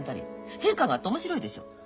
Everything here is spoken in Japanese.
変化があって面白いでしょ。